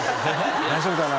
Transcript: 大丈夫かな？